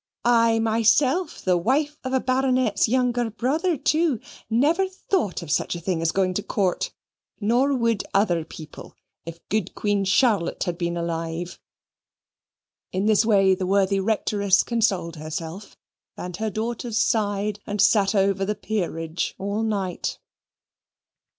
I, myself, the wife of a Baronet's younger brother, too, never thought of such a thing as going to Court nor would other people, if good Queen Charlotte had been alive." In this way the worthy Rectoress consoled herself, and her daughters sighed and sat over the Peerage all night.